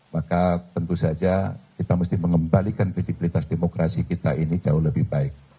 maka tentu saja kita mesti mengembalikan kredibilitas demokrasi kita ini jauh lebih baik